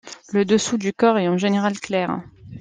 Le dessous du corps est en général clair.